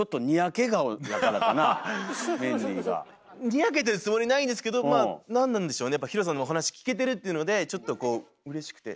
にやけてるつもりないんですけどまあなんなんでしょうねやっぱＨＩＲＯさんのお話聞けてるっていうのでちょっとこううれしくて。